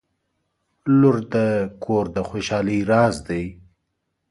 • لور د کور د خوشحالۍ راز دی.